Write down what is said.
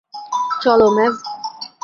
চলো, ম্যাভ।